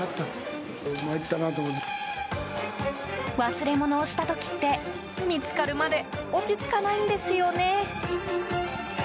忘れ物をした時って見つかるまで落ち着かないんですよね。